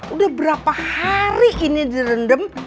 udah berapa hari kini direndem